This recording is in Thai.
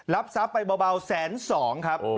รับทรัพย์ไปเบาแสน๒ครับ